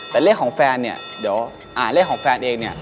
แต่เลขของแฟนเนี่ยเดี๋ยวเลขของแฟนเองเนี่ย